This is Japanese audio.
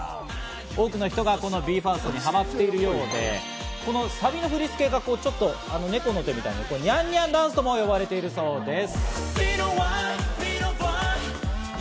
多くの人がこのＢＥ：ＦＩＲＳＴにハマっているようで、このサビの振り付けがちょっと猫みたいで、にゃんにゃんダンスとも言われているそうです。